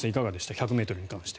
１００ｍに関して。